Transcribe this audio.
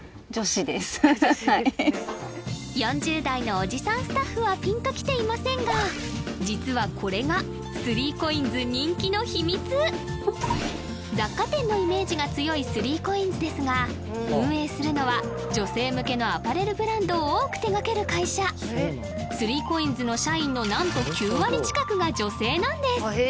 ４０代のおじさんスタッフはピンときていませんが実はこれがスリーコインズ人気の秘密雑貨店のイメージが強いスリーコインズですが運営するのは女性向けのアパレルブランドを多く手がける会社スリーコインズの社員のなんと９割近くが女性なんです